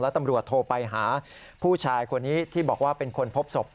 ตำรวจโทรไปหาผู้ชายคนนี้ที่บอกว่าเป็นคนพบศพ